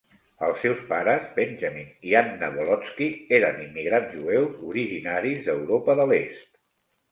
Els seus pares, Benjamin i Anna Bolotsky, eren immigrants jueus originaris d'Europa de l'Est.